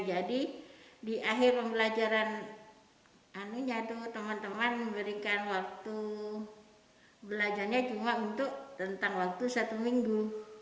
jadi di akhir pembelajaran teman teman memberikan waktu belajarnya cuma untuk tentang waktu satu minggu